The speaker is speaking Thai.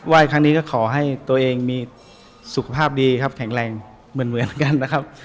ครั้งนี้ก็ขอให้ตัวเองมีสุขภาพดีครับแข็งแรงเหมือนกันนะครับ